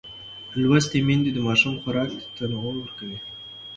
لوستې میندې د ماشوم خوراک ته تنوع ورکوي.